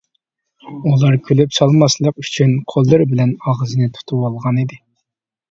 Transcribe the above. ئۇلار كۈلۈپ سالماسلىق ئۈچۈن قوللىرى بىلەن ئاغزىنى تۇتۇۋالغانىدى.